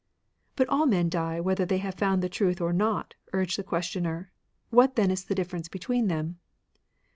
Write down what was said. " But all men die whether they have found the truth or not, urged the questioner; what then is the difference between them